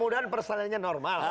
dan persoalannya normal